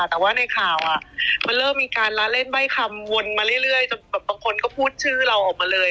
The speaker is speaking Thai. แต่ว่าในข่าวมันเริ่มมีการละเล่นใบ้คำวนมาเรื่อยจนแบบบางคนก็พูดชื่อเราออกมาเลย